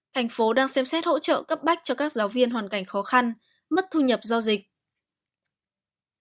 thành phố đang xem xét hỗ trợ cấp bách cho các giáo viên hoàn cảnh khó khăn mất thu nhập do dịch